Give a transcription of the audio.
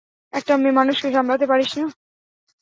একটা মেয়ে মানুষকে সামলাতে পারিস না?